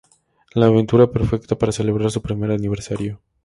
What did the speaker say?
La aventura perfecta para celebrar su primer aniversario.